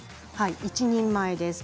一人前です。